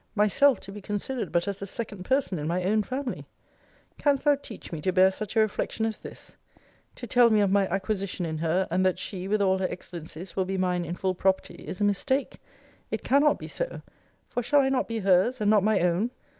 Myself to be considered but as the second person in my own family! Canst thou teach me to bear such a reflection as this! To tell me of my acquisition in her, and that she, with all her excellencies, will be mine in full property, is a mistake it cannot be so for shall I not be her's; and not my own?